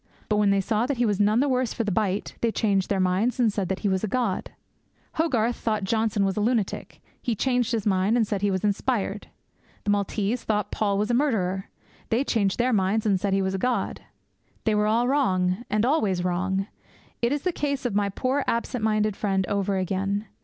But when they saw that he was none the worse for the bite, 'they changed their minds, and said that he was a god!' Hogarth thought Johnson was a lunatic. He changed his mind, and said he was inspired! The Maltese thought Paul was a murderer. They changed their minds, and said he was a god! They were all wrong, and always wrong. It is the case of my poor absent minded friend over again.